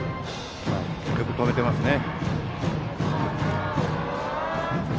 よく止めていますね。